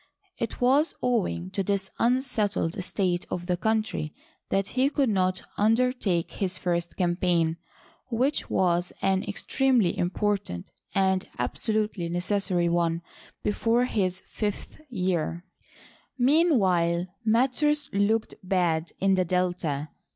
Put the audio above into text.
It was owing to this unsettled state of the country that he could not undertake his first campaign, which was an ex tremely important and absolutely necessary one before his fifth year. Meanwhile matters looked bad in the Delta.